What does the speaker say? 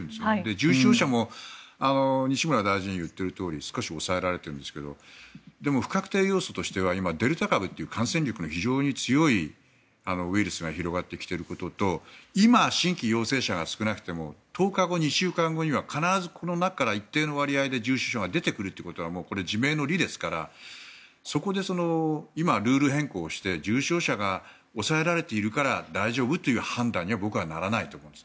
重症者も西村大臣が言っているとおり少し抑えられてるんですけどでも不確定要素としては今、デルタ株という感染力の非常に強いウイルスが広がってきていることと今、新規陽性者が少なくても１０日後、２週間後にはこの中から一定の割合で重症者が出てくるということはもうこれ、自明の理ですからそこで今、ルール変更をして重症者が抑えられているから大丈夫という判断には僕はならないと思います。